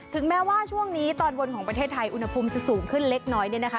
แม้ว่าช่วงนี้ตอนบนของประเทศไทยอุณหภูมิจะสูงขึ้นเล็กน้อยเนี่ยนะคะ